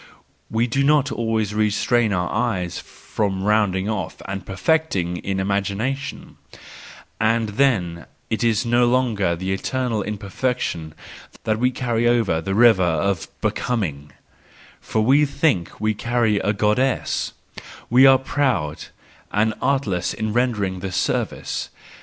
We do not always restrain our eyes from rounding off and perfecting in imagination: and then it is no longer the eternal imperfection that we carry over the river of Becoming—for we think we carry a goddess , and are proud and artless in rendering this service.